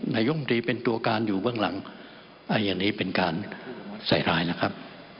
นายมตรีเป็นตัวการอยู่เบื้องหลังอันนี้เป็นการใส่รายนะครับ